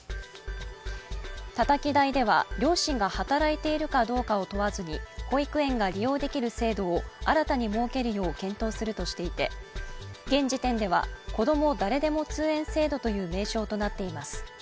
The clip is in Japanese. たたき台では、両親が働いているかどうかを問わずに、保育園が利用できる制度を新たに設けるよう検討するとしていて現時点では、こども誰でも通園制度という名称となっています。